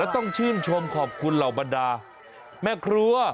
ต้องชื่นชมขอบคุณเหล่าบรรดาแม่ครัว